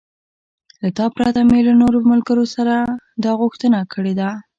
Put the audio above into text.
له تا پرته مې له نورو ملګرو هم دا غوښتنه کړې ده.